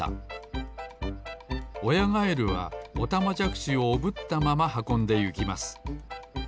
おやガエルはオタマジャクシをおぶったままはこんでゆきます。